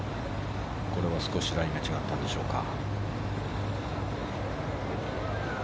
これは少しラインが違ったんでしょうか。